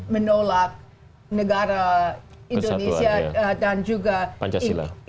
menolak negara indonesia dan juga inggris